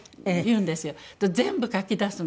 全部書き出すの。